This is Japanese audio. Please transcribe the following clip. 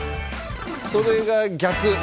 それが逆。